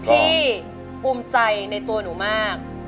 ภูมิใจในตัวหนูมาก